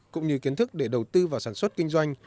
cũng như kiến thức để đầu tư vào sản xuất kinh doanh